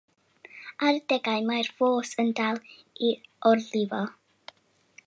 Ar adegau mae'r ffos yn dal i orlifo.